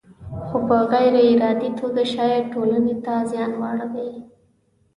خو په غیر ارادي توګه شاید ټولنې ته زیان واړوي.